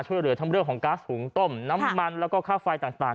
ช่วยเหลือทั้งเรื่องของก๊าซหุงต้มน้ำมันแล้วก็ค่าไฟต่าง